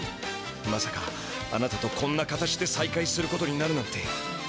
まさかあなたとこんな形でさいかいすることになるなんて。